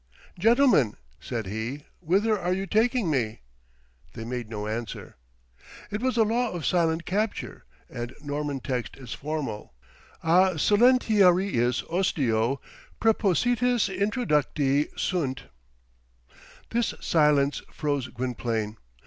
"Gentlemen," said he, "whither are you taking me?" They made no answer. It was the law of silent capture, and the Norman text is formal: A silentiariis ostio, præpositis introducti sunt. This silence froze Gwynplaine.